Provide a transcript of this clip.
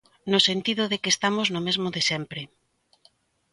No sentido de que estamos no mesmo de sempre.